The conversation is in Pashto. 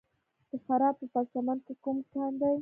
د فراه په پرچمن کې کوم کان دی؟